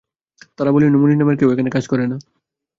তারা বলল, মুনির নামের কেউ এখানে কাজ করে না।